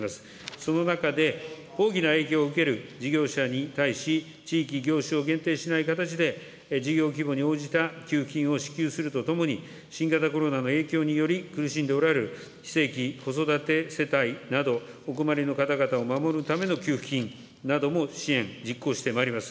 その中で、大きな影響を受ける事業者に対し、地域、業種を限定しない形で、事業規模に応じた給付金を支給するとともに、しんがたころなのえいきょうにより苦しんでおられる非正規、子育て世帯など、お困りの方々を守るための給付金なども支援、実行してまいります。